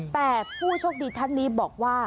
แต่ผู้โชคดีท่านนี้บอกว่า